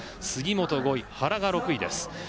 杉本５位、原が６位です。